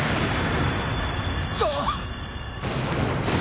あっ！